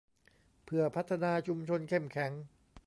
เพื่อพัฒนาชุมชนเข้มแข็ง